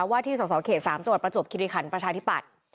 ว่าที่สสเขต๓จังหวัดประจวบคิริขันประชาธิปัตย์